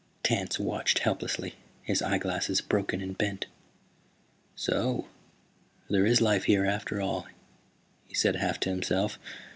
Tance watched helplessly, his eyeglasses broken and bent. "So there is life here, after all," he said, half to himself.